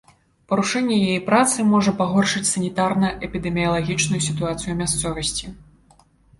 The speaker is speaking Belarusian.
Парушэнне яе працы можа пагоршыць санітарна-эпідэміялагічную сітуацыю ў мясцовасці.